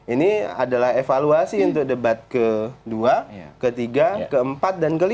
ini adalah evaluasi untuk debat ke dua ke tiga ke empat dan ke lima